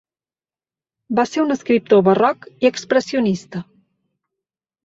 Va ser un escriptor barroc i expressionista.